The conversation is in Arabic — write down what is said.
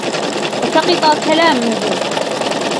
وَسَقَطِ كَلَامِهِ